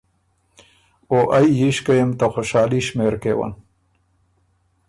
او ائ ييشکئ م ته خؤشالي شمېر کېون“